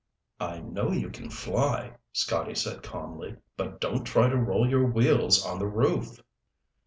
"I know you can fly," Scotty said calmly, "but don't try to roll your wheels on the roof."